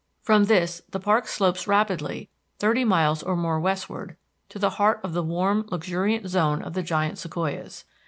From this the park slopes rapidly thirty miles or more westward to the heart of the warm luxuriant zone of the giant sequoias.